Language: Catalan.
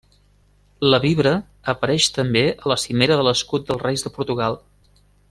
La vibra apareix també a la cimera de l'escut dels reis de Portugal.